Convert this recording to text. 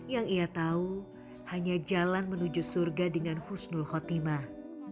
yang ia tahu hanya jalan menuju surga dengan husnul khotimah